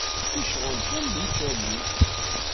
Yecɣel kan d ucali.